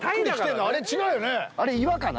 あれ岩かな？